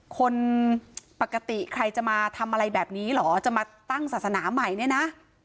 คนปกติใครจะมาทำอะไรแบบนี้เหรอจะมาตั้งศาสนาใหม่เนี่ยนะ